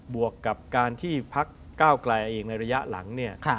บวกกับการที่พักก้าวไกลในระยะหลัง